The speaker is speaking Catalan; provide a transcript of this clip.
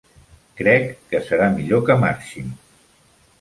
Crec que serà millor que marxi.